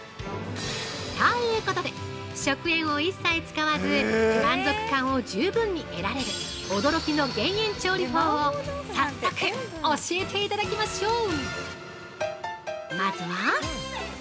◆ということで、食塩を一切使わず満足感を十分に得られる驚きの減塩調理法を早速、教えていただきましょう！